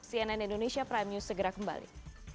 cnn indonesia prime news segera kembali